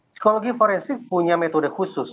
psikologi forensik punya metode khusus